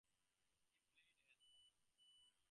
He played as hooker.